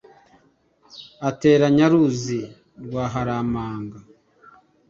atera nyaruzi rwa haramanga